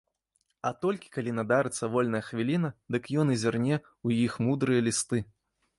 А толькі калі надарыцца вольная хвіліна, дык ён і зірне ў іх мудрыя лісты.